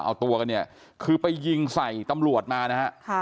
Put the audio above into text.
เอาตัวกันเนี่ยคือไปยิงใส่ตำรวจมานะฮะ